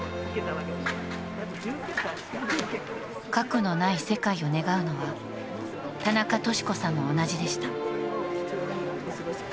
核のない世界を願うのは、田中稔子さんも同じでした。